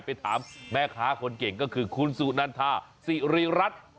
ไปถามแม่ค้าคนเก่งก็คือคุณสูตรน่ะท่าศรีรัตน์